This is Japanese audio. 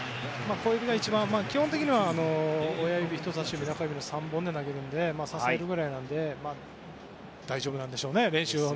基本的には親指、人差し指中指の３本で投げるので支えるぐらいなので大丈夫なんでしょうね。